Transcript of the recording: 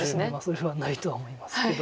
それはないとは思いますけど。